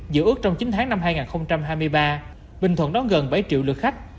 dự ước trong chín tháng năm hai nghìn hai mươi ba bình thuận đón gần bảy triệu lượt khách